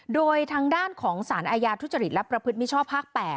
โดยทางด้านของสารอาญาทุจริตและประพฤติมิชชอบภาค๘